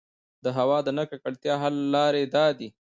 د هـوا د نـه ککـړتيا حـل لـارې دا دي: